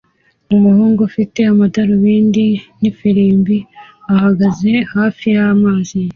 Umuhungu ufite amadarubindi n'ifirimbi ahagaze hafi y'amazi